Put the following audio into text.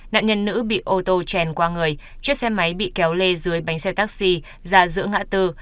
nạn nhân nữ bị ô tô chèn qua người chiếc xe máy bị kéo lê dưới bánh xe taxi ra giữa ngã tư